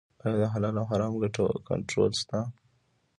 آیا د حلال او حرام کنټرول شته؟